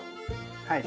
はい。